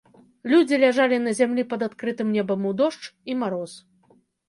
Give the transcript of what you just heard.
Людзі ляжалі на зямлі пад адкрытым небам у дождж і мароз.